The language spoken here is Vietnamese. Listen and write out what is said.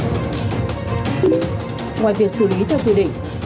ngoài việc xử lý theo quy định